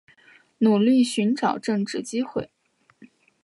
努力寻找正职机会